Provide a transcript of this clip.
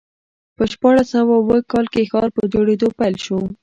په شپاړس سوه اووه کال کې ښار په جوړېدو پیل شو.